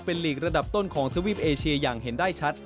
เป็นลีกระดับต้นของทวีปเอเชียอย่างเห็นได้ชัด